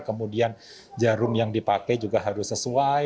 kemudian jarum yang dipakai juga harus sesuai